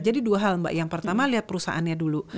jadi dua hal mbak yang pertama lihat perusahaannya dulu